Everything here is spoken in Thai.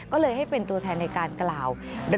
ก็เลยให้เป็นตัวแทนในการกล่าว